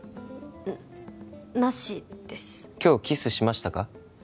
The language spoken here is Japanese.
なしです今日キスしましたか？